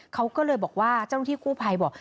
เขาก็เลยบอกว่าเจ้าหน้าที่กู้ภัยบอก